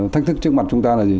thách thức trước mặt chúng ta là gì